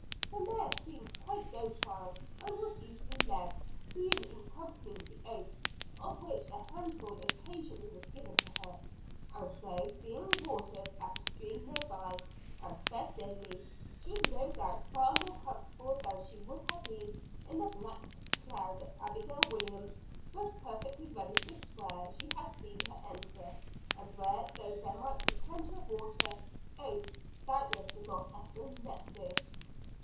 The mare seemed quite docile, and was easily led, being in company with the oats, of which a handful occasionally was given to her; and so, being watered at a stream near by and fed daily, she was no doubt far more comfortable than she would have been in the black cloud that Abigail Williams was perfectly ready to swear she had seen her enter and where though there might be plenty of water, oats doubtless were not often meet with.